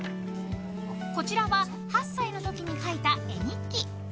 こちらは、８歳の時に書いた絵日記。